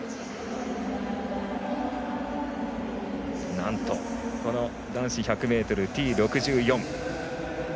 なんと、男子１００ｍＴ６４。